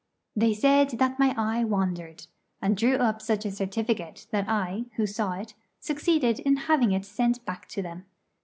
They said that my eye wandered, and drew up such a certificate that I, who saw it, succeeded in having it sent back to them.